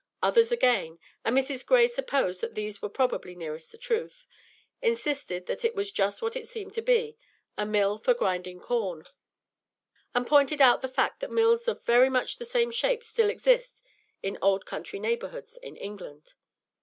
Others again and Mrs. Gray supposed that these last were probably nearest the truth insisted that it was just what it seemed to be, a mill for grinding corn; and pointed out the fact that mills of very much the same shape still exist in old country neighborhoods in England.